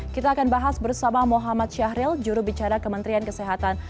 kita akan bahas bersama muhammad syahril jurubicara kementerian kesehatan